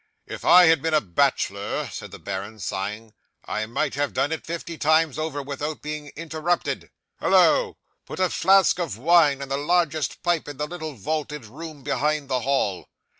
'"If I had been a bachelor," said the baron sighing, "I might have done it fifty times over, without being interrupted. Hallo! Put a flask of wine and the largest pipe in the little vaulted room behind the hall."